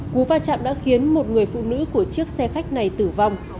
cú va chạm đã khiến một người phụ nữ của chiếc xe khách này tử vong